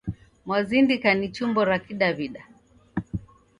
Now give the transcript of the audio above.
Mwazindika ni chumbo ra kidawida